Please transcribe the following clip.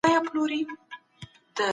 زه باید د خپل حساب امنیت وساتم.